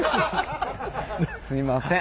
すいません。